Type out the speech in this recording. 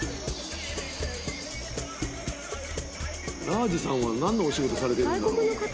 ラージさんは何のお仕事されてるんだろう。